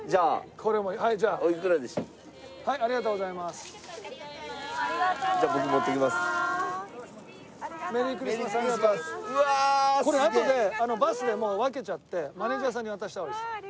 これあとでバスでもう分けちゃってマネジャーさんに渡した方がいいです。